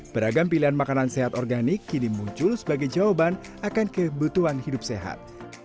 beragam pilihan makanan sehat organik kini muncul sebagai jawaban akan kebutuhan hidup sehat